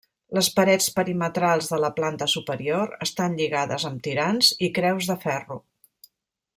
Les parets perimetrals de la planta superior estan lligades amb tirants i creus de ferro.